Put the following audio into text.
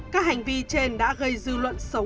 các hành vi trên đã gây dư luận xấu